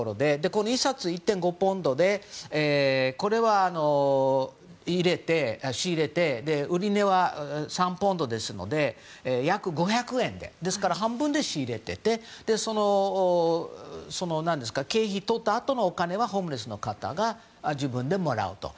これは１冊１．５ポンドでこれを仕入れて売値は３ポンドですので約５００円でですから半分で仕入れててその経費を取ったあとのお金はホームレスの方が自分でもらうと。